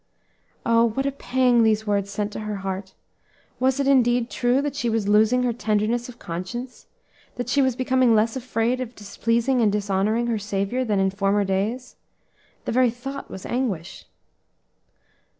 Oh! what a pang these words sent to her heart! was it indeed true that she was losing her tenderness of conscience? that she was becoming less afraid of displeasing and dishonoring her Saviour than in former days? The very thought was anguish.